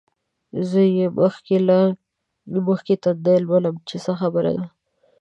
زه یې مخکې له مخکې تندی لولم چې څه خبره ده.